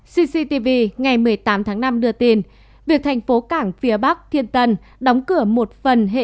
cctv ngày một mươi tám tháng năm đưa tin việc thành phố cảng phía bắc thiên tân đóng cửa một phần hệ